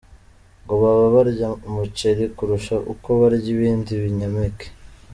Ngo baba barya umuceri kurusha uko barya ibindi binyampeke.